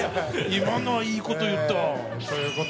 今のはいいこと言ったわ